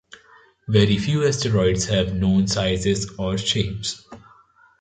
Very few asteroids have known sizes or shapes.